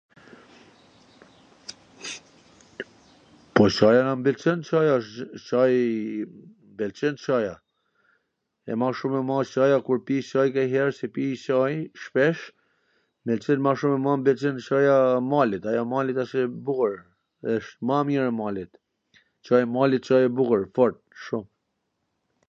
Po Caja m pwlqen, Caja, Cai, m pwlqen Caja, e ma shum e marr Caja kur pi Caj nganjher, se pi Caj shpesh, m pwlqen me marr ma shum m pwlqen Caja e malit, ajo e malit asht e bukur, asht ma e mir e malit. Caj e malit, Caj e bukur, e fort, shum.